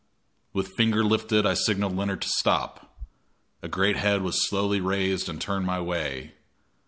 With finger lifted I signaled Leonard to stop. A great head was slowly raised and turned my way.